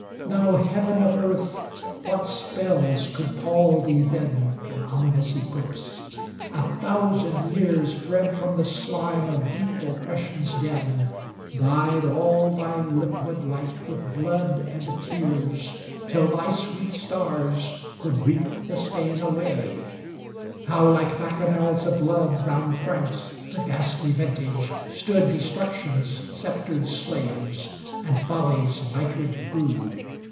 XII Thou heaven of earth ! what spells could pall thee then, In ominous eclipse ? a thousand years. Bred from the slime of deep oppression's den, Dyed all thy liquid light with blood and tears, Till thy sweet stars could weep the stain away; How like Bacchanals of blood Round France, the ghastly vintage, stood Destruction's sceptred slaves, and Folly's mitred brood